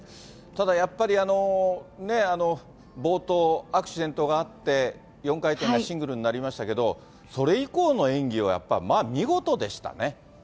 ただ、やっぱり冒頭、アクシデントがあって４回転がシングルになりましたけど、それ以降の演技はやっぱり見事でしたね。